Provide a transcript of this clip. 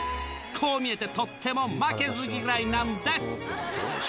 こう見えて、とっても負けず嫌いなんです。